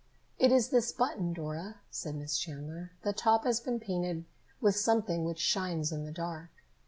"It is this button, Dora," said Miss Chandler. "The top has been painted with something which shines in the dark.